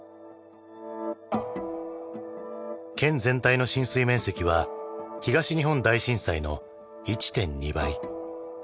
県全体の浸水面積は東日本大震災の１．２倍。